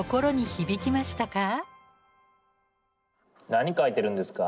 何書いてるんですか？